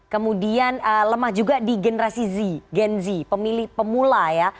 kemudian lemah juga di gen z pemula ya